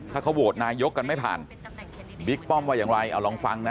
ถ้าเขาโหวตนายกกันไม่ผ่านบิ๊กป้อมว่าอย่างไรเอาลองฟังนะ